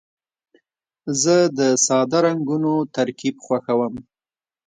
زه د ساده رنګونو ترکیب خوښوم.